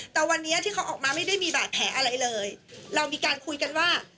แต่วันนี้ที่เขาออกมาไม่ได้มีบาดแผลอะไรเลยเรามีการคุยกันว่า